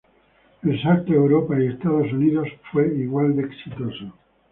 El salto a Europa y Estados Unidos fue igual de exitoso.